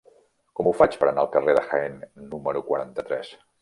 Com ho faig per anar al carrer de Jaén número quaranta-tres?